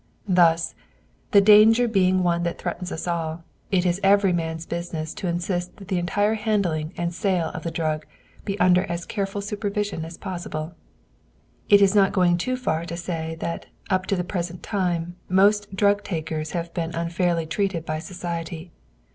Thus, the danger being one that threatens us all, it is every man's business to insist that the entire handling and sale of the drug be under as careful supervision as possible. It is not going too far to say that up to the present time most drug takers have been unfairly treated by society.